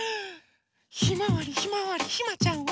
「ひまわりひまわりひまちゃんは」